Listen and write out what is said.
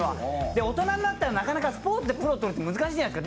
大人になったらなかなかスポーツでプロになるって難しいじゃないですか。